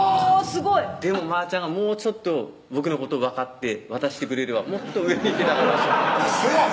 すごいでもまーちゃんがもうちょっと僕のこと分かって渡してくれればもっと上にいけたウソやろ？